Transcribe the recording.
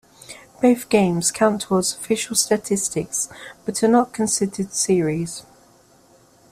Both games count toward official statistics, but are not considered series.